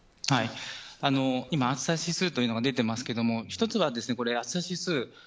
今、暑さ指数というのが出ていますけど一つは暑さ指数